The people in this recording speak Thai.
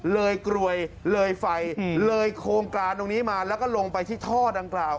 เลยกรวยเลยไฟเลยโครงการตรงนี้มาแล้วก็ลงไปที่ท่อดังกล่าว